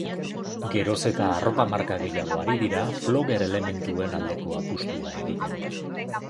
Geroz eta arropa marka gehiago ari dira flogger elementuen aldeko apustua egiten.